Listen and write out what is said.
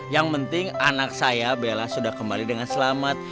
yang penting anak saya bella sudah kembali dengan selamat